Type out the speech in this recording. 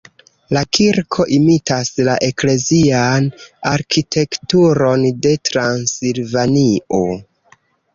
La kirko imitas la eklezian arkitekturon de Transilvanio.